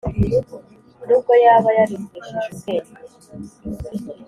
n ubwo yaba yaritesheje ubwenge